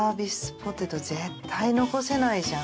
ポテト絶対残せないじゃん。